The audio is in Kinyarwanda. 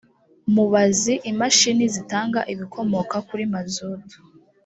mubazi imashini zitanga ibikomoka kuri mazutu